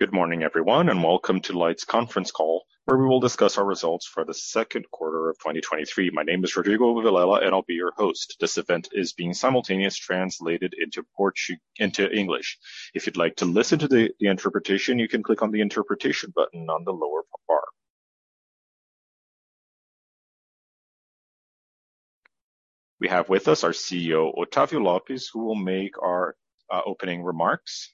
Good morning, everyone, and welcome to Light's Conference Call, where we will discuss our results for the second quarter of 2023. My name is Rodrigo Vilela, and I'll be your host. This event is being simultaneously translated into English. If you'd like to listen to the interpretation, you can click on the interpretation button on the lower bar. We have with us our CEO, Octavio Lopes, who will make our opening remarks,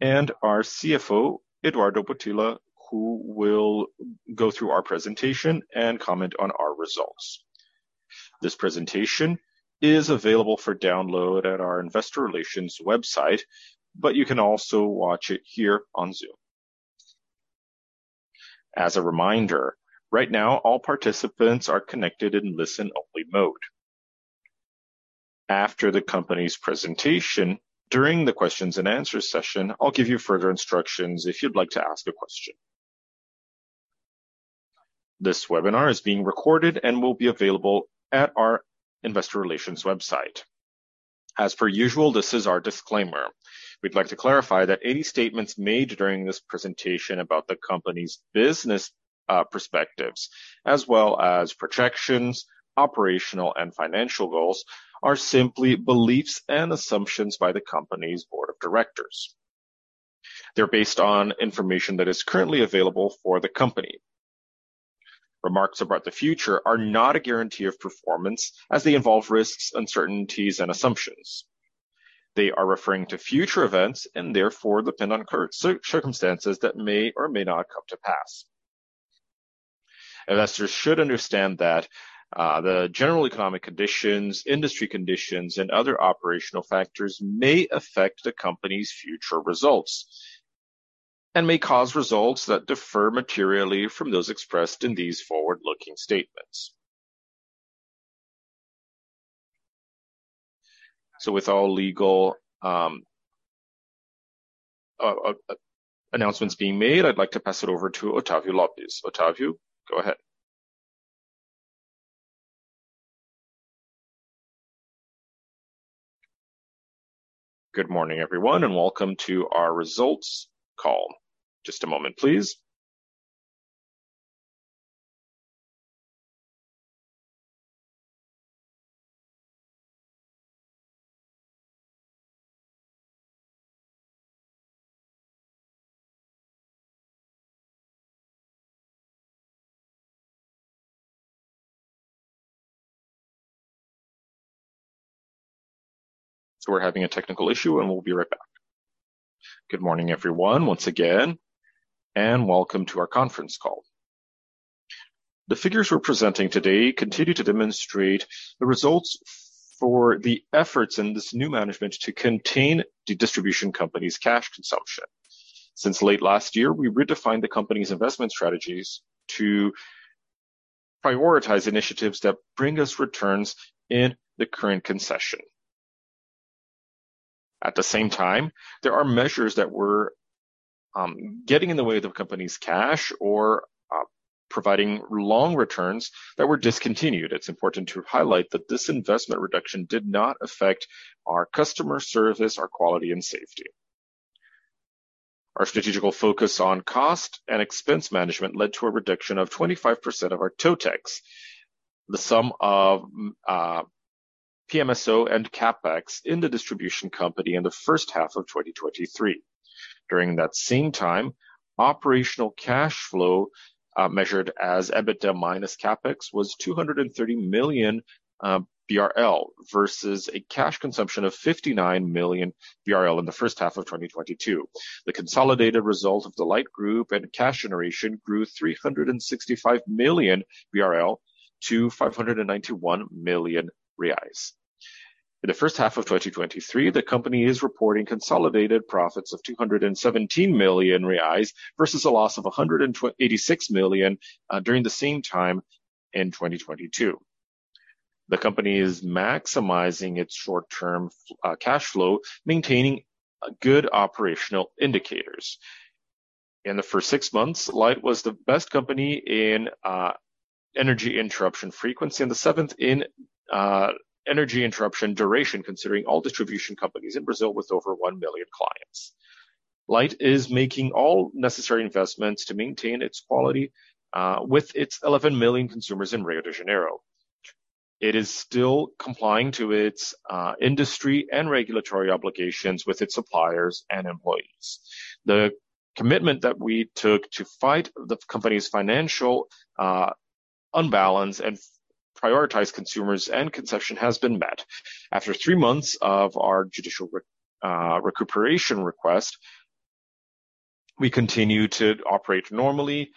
and our CFO, Eduardo Gotilla, who will go through our presentation and comment on our results. This presentation is available for download at our investor relations website, but you can also watch it here on Zoom. As a reminder, right now, all participants are connected in listen-only mode. After the company's presentation, during the question-and-answer session, I'll give you further instructions if you'd like to ask a question. This webinar is being recorded and will be available at our investor relations website. As per usual, this is our disclaimer. We'd like to clarify that any statements made during this presentation about the company's business perspectives, as well as projections, operational and financial goals, are simply beliefs and assumptions by the company's board of directors. They're based on information that is currently available for the company. Remarks about the future are not a guarantee of performance as they involve risks, uncertainties and assumptions. They are referring to future events and therefore depend on circumstances that may or may not come to pass. Investors should understand that the general economic conditions, industry conditions, and other operational factors may affect the company's future results and may cause results that differ materially from those expressed in these forward-looking statements. With all legal announcements being made, I'd like to pass it over to Octavio Lopes. Octavio, go ahead. Good morning, everyone, and welcome to our results call. Just a moment, please. We're having a technical issue, and we'll be right back. Good morning, everyone, once again, and welcome to our conference call. The figures we're presenting today continue to demonstrate the results for the efforts in this new management to contain the distribution company's cash consumption. Since late last year, we redefined the company's investment strategies to prioritize initiatives that bring us returns in the current concession. At the same time, there are measures that were getting in the way of the company's cash or providing long returns that were discontinued. It's important to highlight that this investment reduction did not affect our customer service, our quality, and safety. Our strategic focus on cost and expense management led to a reduction of 25% of our TOTEX, the sum of PMSO and CapEx in the distribution company in the first half of 2023. During that same time, operational cash flow, measured as EBITDA minus CapEx, was 230 million BRL versus a cash consumption of 59 million BRL in the first half of 2022. The consolidated result of the Light group and cash generation grew 365 million BRL to 591 million reais. In the first half of 2023, the company is reporting consolidated profits of 217 million reais versus a loss of 86 million during the same time in 2022. The company is maximizing its short-term cash flow, maintaining good operational indicators. In the first six months, Light was the best company in energy interruption frequency and the seventh in energy interruption duration, considering all distribution companies in Brazil with over 1 million clients. Light is making all necessary investments to maintain its quality with its 11 million consumers in Rio de Janeiro. It is still complying to its industry and regulatory obligations with its suppliers and employees. The commitment that we took to fight the company's financial unbalance and prioritize consumers and concession has been met. After 3 months of our judicial recuperation request, we continue to operate normally,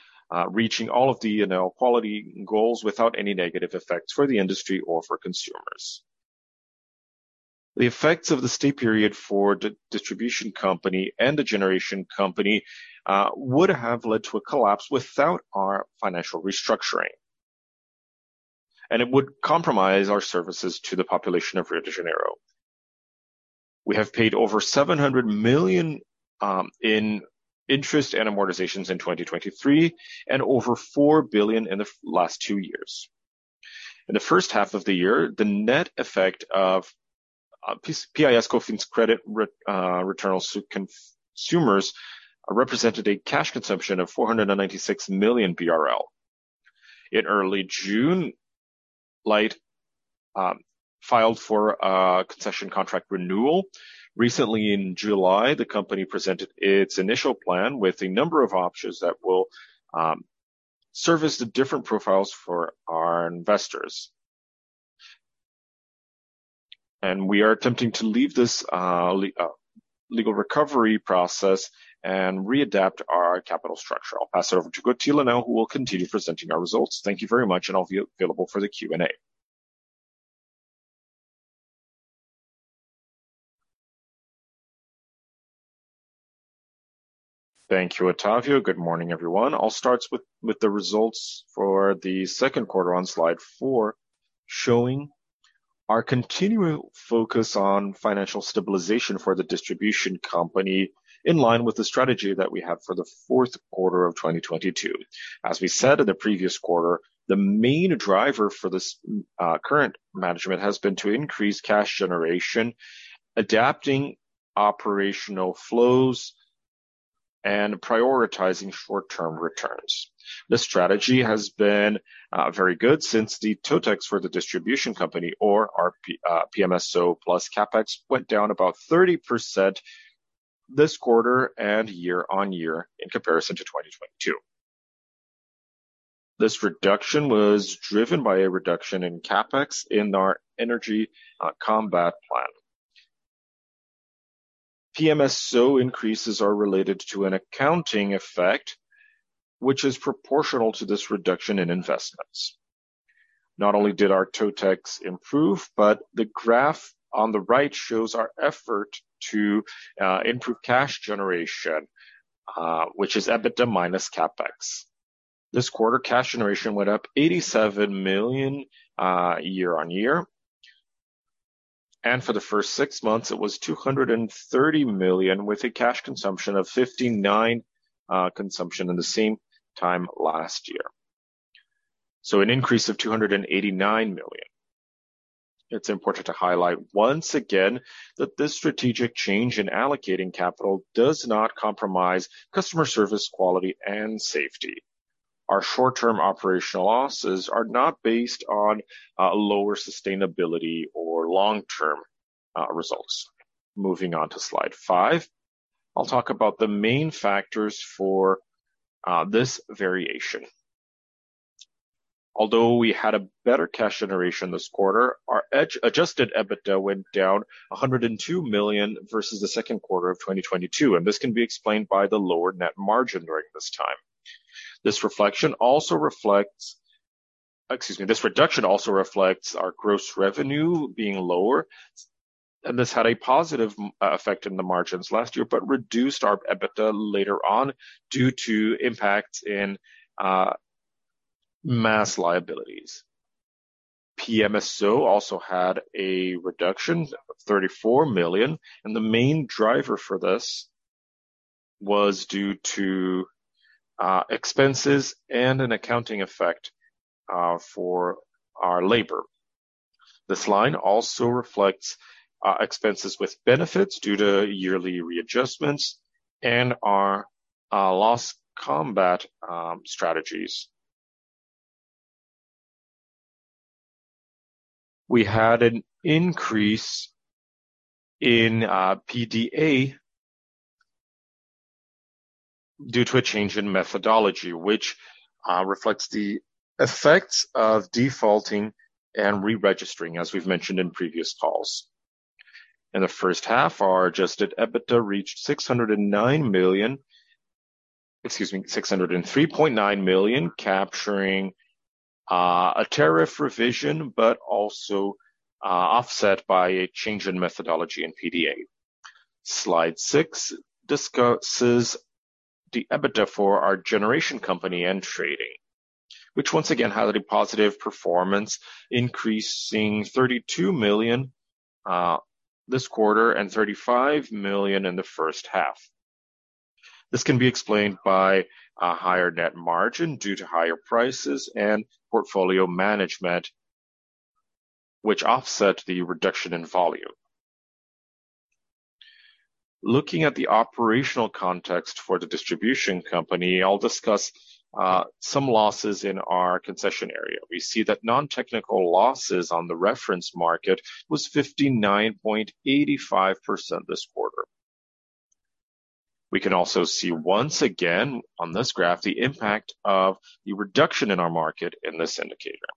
reaching all of the, you know, quality goals without any negative effects for the industry or for consumers. The effects of the state period for the distribution company and the generation company would have led to a collapse without our financial restructuring, and it would compromise our services to the population of Rio de Janeiro. We have paid over 700 million in interest and amortizations in 2023 and over 4 billion in the last two years. In the first half of the year, the net effect of PIS/Cofins credit returnal to consumers, represented a cash consumption of 496 million BRL. In early June, Light filed for a concession contract renewal. Recently, in July, the company presented its initial plan with a number of options that will service the different profiles for our investors. We are attempting to leave this legal recovery process and readapt our capital structure. I'll pass over to Gotilla now, who will continue presenting our results. Thank you very much, and I'll be available for the Q&A. Thank you, Octavio. Good morning, everyone. I'll start with the results for the Q2 on Slide 4, showing our continuing focus on financial stabilization for the distribution company, in line with the strategy that we have for the Q4 2022. As we said in the previous quarter, the main driver for this current management has been to increase cash generation, adapting operational flows and prioritizing short-term returns. This strategy has been very good since the TOTEX for the distribution company or our PMSO plus CapEx, went down about 30% this quarter and year-on-year in comparison to 2022. This reduction was driven by a reduction in CapEx in our energy combat plan. PMSO increases are related to an accounting effect, which is proportional to this reduction in investments. Not only did our TOTEX improve, the graph on the right shows our effort to improve cash generation, which is EBITDA minus CapEx. This quarter, cash generation went up 87 million year-on-year, and for the first six months, it was 230 million, with a cash consumption of 59 consumption in the same time last year. An increase of 289 million. It's important to highlight once again, that this strategic change in allocating capital does not compromise customer service, quality, and safety. Our short-term operational losses are not based on lower sustainability or long-term results. Moving on to Slide 5, I'll talk about the main factors for this variation. Although we had a better cash generation this quarter, our adjusted EBITDA went down 102 million versus the second quarter of 2022. This can be explained by the lower net margin during this time. This reflection also reflects, excuse me, this reduction also reflects our gross revenue being lower. This had a positive effect in the margins last year, reduced our EBITDA later on due to impacts in mass liabilities. PMSO also had a reduction of 34 million. The main driver for this was due to expenses and an accounting effect for our labor. This line also reflects expenses with benefits due to yearly readjustments and our loss combat strategies. We had an increase in PDA due to a change in methodology, which reflects the effects of defaulting and re-registering, as we've mentioned in previous calls. In the first half, our adjusted EBITDA reached 609 million, excuse me, 603.9 million, capturing a tariff revision, but also offset by a change in methodology in PDA. Slide 6 discusses the EBITDA for our generation, company, and trading, which once again had a positive performance, increasing 32 million this quarter and 35 million in the first half. This can be explained by a higher net margin due to higher prices and portfolio management, which offset the reduction in volume. Looking at the operational context for the distribution company, I'll discuss some losses in our concession area. We see that non-technical losses on the reference market was 59.85% this quarter. We can see, once again, on this graph, the impact of the reduction in our market in this indicator.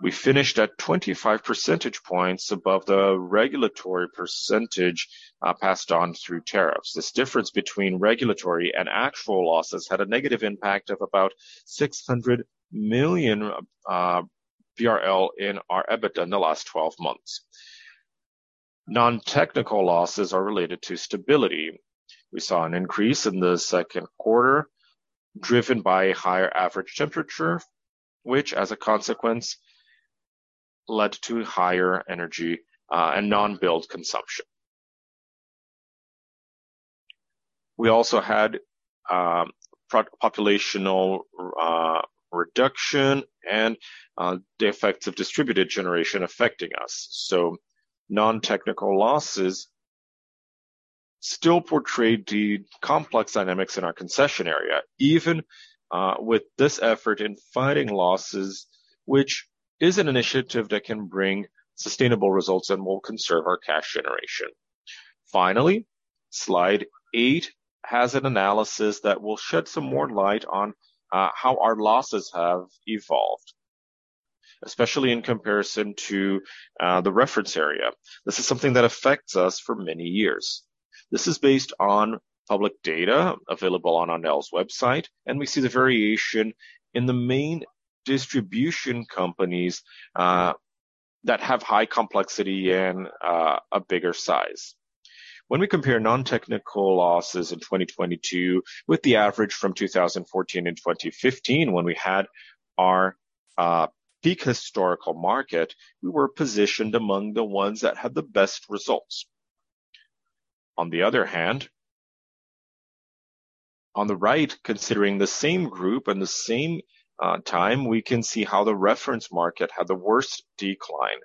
We finished at 25 percentage points above the regulatory percentage passed on through tariffs. This difference between regulatory and actual losses had a negative impact of about 600 million in our EBITDA in the last twelve months. Non-technical losses are related to stability. We saw an increase in the second quarter, driven by a higher average temperature, which, as a consequence, led to higher energy and non-billed consumption. We had populational reduction and the effects of distributed generation affecting us. Non-technical losses still portray the complex dynamics in our concession area, even with this effort in fighting losses, which is an initiative that can bring sustainable results and will conserve our cash generation. Finally, Slide eight has an analysis that will shed some more light on how our losses have evolved, especially in comparison to the reference area. This is something that affects us for many years. This is based on public data available on ANEEL's website, and we see the variation in the main distribution companies that have high complexity and a bigger size. When we compare non-technical losses in 2022 with the average from 2014 and 2015, when we had our peak historical market, we were positioned among the ones that had the best results. On the other hand, on the right, considering the same group and the same time, we can see how the reference market had the worst decline,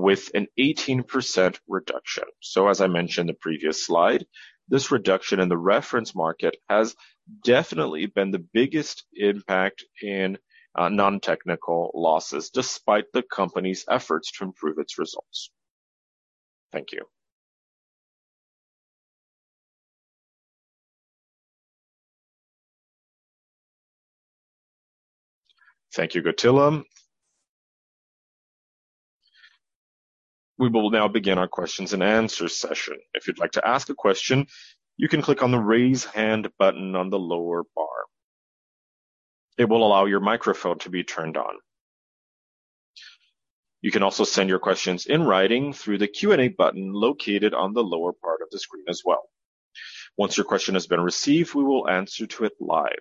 with an 18% reduction. As I mentioned in the previous slide, this reduction in the reference market has definitely been the biggest impact in non-technical losses, despite the company's efforts to improve its results. Thank you. Thank you, Gotilla. We will now begin our question-and-answer session. If you'd like to ask a question, you can click on the Raise Hand button on the lower bar. It will allow your microphone to be turned on. You can also send your questions in writing through the Q&A button located on the lower part of the screen as well. Once your question has been received, we will answer to it live.